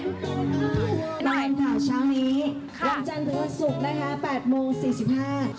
พังมันกำหนดถาวเช้านี้